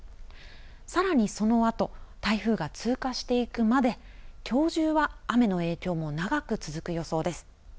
さらにそのあと台風が通過していくまで、きょう中は雨の影響も長く続く予想です。